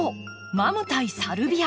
マム対サルビア